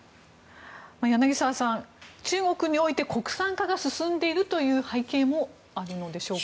柳澤さん、中国において国産化が進んでいるという背景もあるのでしょうか？